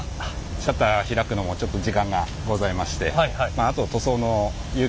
シャッター開くのもちょっと時間がございまして。